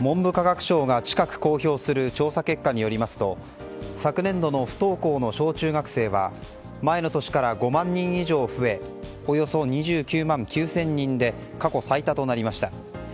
文部科学省が近く公表する調査結果によりますと昨年度の不登校の小中学生は前の年から５万人以上増えおよそ２９万９０００人で過去最多となりました。